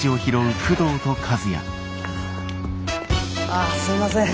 ああすいません。